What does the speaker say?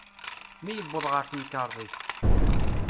Mi yewweḍ ɣer temkerḍit.